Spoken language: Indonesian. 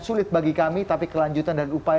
sulit bagi kami tapi kelanjutan dan upaya